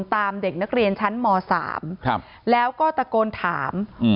ตามเด็กนักเรียนชั้นหมอสามครับแล้วก็ตะโกนถามอืม